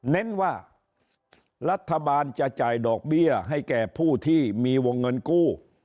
เน้นว่ารัฐบาลจะจ่ายดอกเบี้ยให้แก่ผู้ที่มีวงเงินกู้